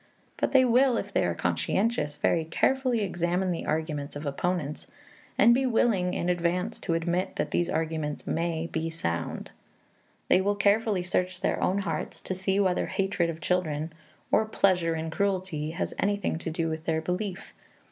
But they will, if they are conscientious, very carefully examine the arguments of opponents, and be willing in advance to admit that these arguments may be sound. They will carefully search their own hearts to see whether hatred of children or pleasure in cruelty has anything to do with their belief.